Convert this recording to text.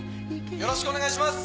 よろしくお願いします。